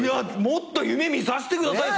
もっと夢見さしてください！